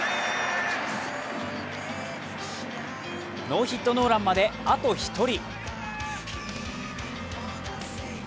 ノーヒットノーランまであと１人。